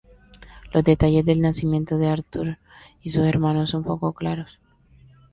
Los detalles del nacimiento de Arthur y sus hermanos son poco claros.